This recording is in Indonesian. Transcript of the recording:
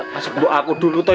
masuk buat aku dulu toh